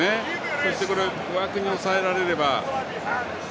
そして、枠に抑えられれば。